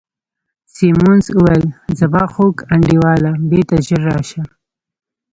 سیمونز وویل: زما خوږ انډیواله، بیرته ژر راشه.